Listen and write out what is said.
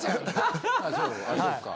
あそっか。